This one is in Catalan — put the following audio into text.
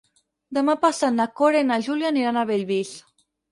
Demà passat na Cora i na Júlia aniran a Bellvís.